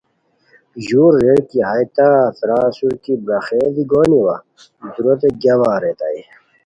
ژور ریر کی ہائے تت را اسور کی براخئے دی گونی وا دوروت گیاؤا ریتائے